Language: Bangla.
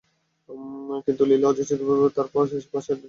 কিন্তু লিলি অযাচিতভাবে পথে এসে দাঁড়ালে ধাক্কা লেগে যায় মিয়াঁদাদের সঙ্গে।